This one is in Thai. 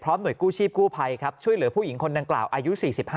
หน่วยกู้ชีพกู้ภัยครับช่วยเหลือผู้หญิงคนดังกล่าวอายุ๔๕